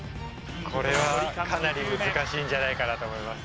これはかなり難しいんじゃないかなと思います